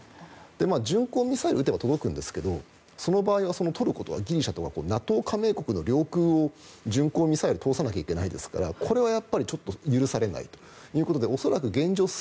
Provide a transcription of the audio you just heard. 巡航ミサイルを撃てば届くんですがその場合はトルコ、ギリシャＮＡＴＯ加盟国の上空を巡航ミサイル通さなきゃいけないですからこれは許されないということで恐らく現状